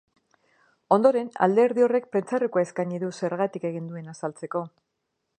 Ondoren, alderdi horrek prentsaurrekoa eskainiko du zergatik egin duen azaltzeko.